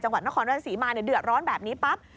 จังหวัดนครวันศรีมายเนี่ยเดือดร้อนแบบนี้ปั๊บ